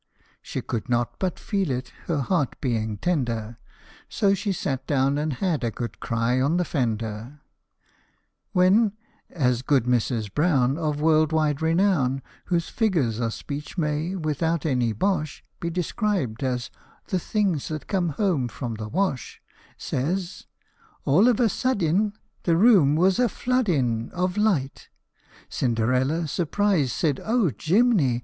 She could not but feel it, her heart being tender, So she sat down and had a good cry on the fender; When as good Mrs. Brown, Of world wide renown, Whose figures of speech may, without any bosh, Be described as "the things that come home from the wash," Says" All of a suddin " The room was a flood in Of light ! Cinderella, surprised, said, " Oh, Jim'ni